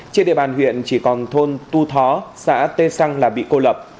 trên địa bàn huyện chỉ còn thôn tu thó xã tê xăng là bị cô lập